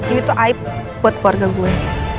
ini tuh aib buat keluarga gue